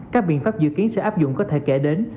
các biện pháp dự kiến sẽ áp dụng có thể kể đến